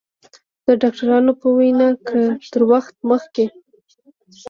د ډاکترانو په وینا که تر وخته مخکې